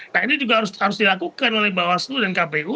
nah ini juga harus dilakukan oleh bawaslu dan kpu